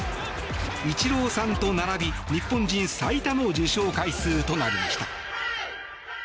イチローさんと並び日本人最多の受賞回数となりました。